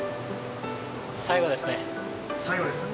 最後ですか？